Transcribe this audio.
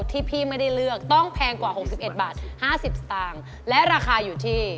ที่พี่ไม่ได้เลือกต้องแพงกว่าหกสิบเอ็ดบาทห้าสิบสตางค์และราคาอยู่ที่